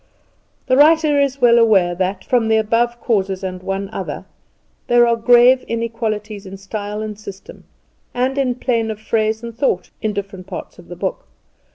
The writer is well aware that, from the above causes and one other, there are grave inequalities in style and system, and in plane of phrase and thought, in different parts of the book.